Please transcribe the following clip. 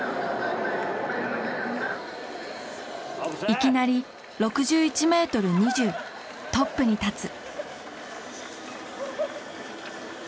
いきなり６１ｍ２０トップに立つ。